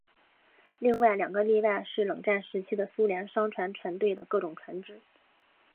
另外两个例外是冷战时期的苏联商船船队的各种船只。